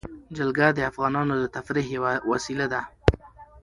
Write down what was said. جلګه د افغانانو د تفریح یوه وسیله ده.